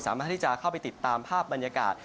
สามารถที่จะเข้าไปติดตามภาพบรรยากาศ